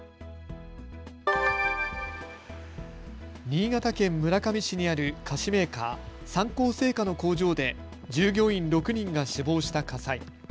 新潟県村上市にある菓子メーカー、三幸製菓の工場で従業員６人が死亡した火災。